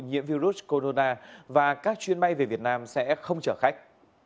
nhiễm virus corona và các chuyến bay về việt nam sẽ không chở khách